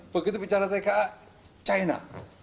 begitu bicara tka china